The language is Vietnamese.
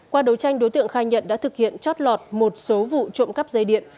qua đấu tranh đối tượng khai nhận đã thực hiện chót lọt một số vụ trộm cắp dây điện